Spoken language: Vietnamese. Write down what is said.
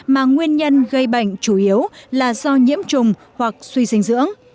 mà nguyên nhân gây bệnh chủ yếu là do nhiễm trùng hoặc suy dinh dưỡng